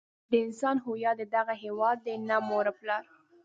د انسان هویت د هغه هيواد دی نه مور او پلار.